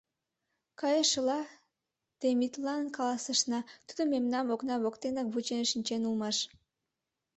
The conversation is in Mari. Кайышыла Темитлан каласышна, тудо мемнам окна воктенак вучен шинчен улмаш.